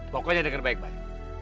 pokoknya denger baik baik